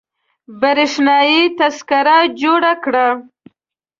برېښنايي تذکره جوړه کړه